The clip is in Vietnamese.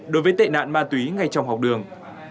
đối với tệ nạn ma túy ngay trong học đường